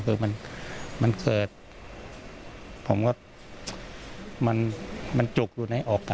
คือมันมันเกิดผมก็มันจุกอยู่ในออกตา